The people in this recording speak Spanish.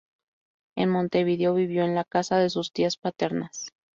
En Montevideo vivió en la casa de sus tías paternas.